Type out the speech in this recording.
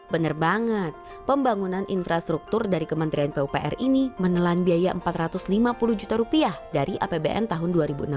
bener banget pembangunan infrastruktur dari kementerian pupr ini menelan biaya empat ratus lima puluh juta rupiah dari apbn tahun dua ribu enam belas